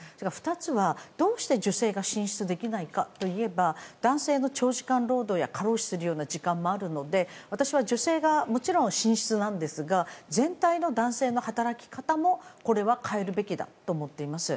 ２つは、どうして女性が進出できないかといえば男性の長時間労働や過労死するような時間もあるので私は女性ももちろん進出なんですが全体の男性の働き方も変えるべきだと思っています。